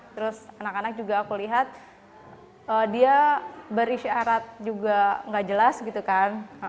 terus anak anak juga aku lihat dia berisyarat juga nggak jelas gitu kan